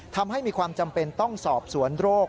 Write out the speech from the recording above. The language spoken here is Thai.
ทำให้มีความจำเป็นต้องสอบสวนโรค